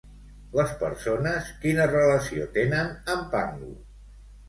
Les persones quina relació tenen amb Pangu?